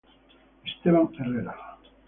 Esteban Herrera